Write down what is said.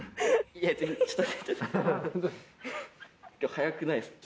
早くないですか？